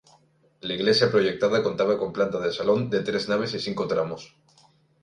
La iglesia proyectada contaba con planta de salón de tres naves y cinco tramos.